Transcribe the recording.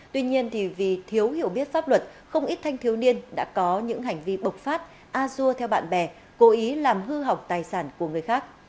tuy nhiên vì thiếu hiểu biết pháp luật không ít thanh thiếu niên đã có những hành vi bộc phát a dua theo bạn bè cố ý làm hư hỏng tài sản của người khác